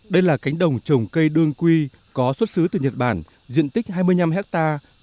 đây là cánh đồng trồng cây đương quy có xuất xứ từ nhật bản diện tích hai mươi năm hectare